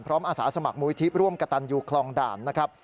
อาสาสมัครมูลิธิร่วมกระตันยูคลองด่านนะครับ